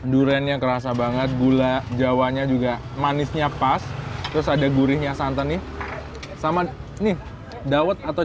duriannya kerasa banget gula jawanya juga manisnya pas terus ada gurihnya santan nih sama nih dawet atau